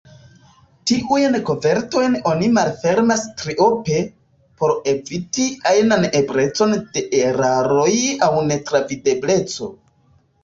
Tiujn kovertojn oni malfermas triope, por eviti ajnan eblecon de eraroj aŭ netravidebleco.